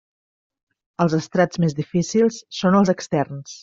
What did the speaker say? Els estrats més difícils són els externs.